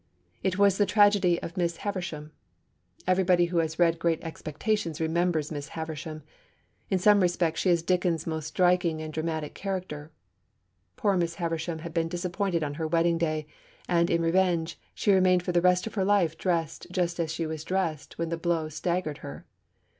It was the tragedy of Miss Havisham. Everybody who has read Great Expectations remembers Miss Havisham. In some respects she is Dickens' most striking and dramatic character. Poor Miss Havisham had been disappointed on her wedding day; and, in revenge, she remained for the rest of her life dressed just as she was dressed when the blow staggered her.